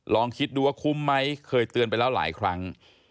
ลองคิดดูว่าคุ้มไหมเคยเตือนไปแล้วหลายครั้ง